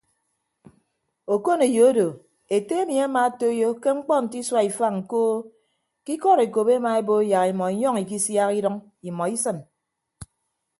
Okoneyo odo ete emi amaatoiyo ke mkpọ nte isua ifañ koo ke ikọd ekop emaebo yak imọ inyọñ ikisiak idʌñ imọ isịn.